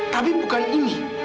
tapi bukan ini